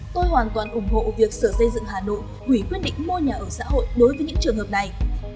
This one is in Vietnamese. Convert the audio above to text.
tôi hoàn toàn ủng hộ việc sở xây dựng hà nội hủy quyết định mua nhà ở xã hội đối với những trường hợp này